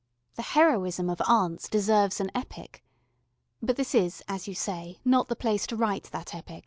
The heroism of aunts deserves an epic. But this is, as you say, not the place to write that epic.